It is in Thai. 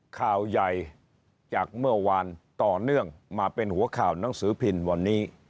ข่าวใหญ่จากเมื่อวานต่อเนื่องมาเป็นหัวข่าวหนังสือพิมพ์วันนี้